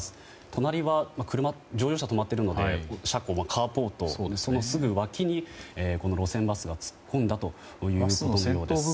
隣は乗用車が止まっているのでカーポートでそのすぐ脇に、路線バスが突っ込んだということです。